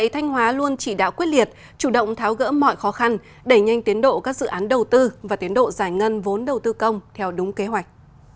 thanh hóa luôn chỉ đạo quyết liệt chủ động tháo gỡ mọi khó khăn đẩy nhanh tiến độ các dự án đầu tư và tiến độ giải ngân vốn đầu tư công theo đúng kế hoạch